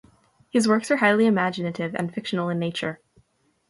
His works are highly imaginative and fictional in nature.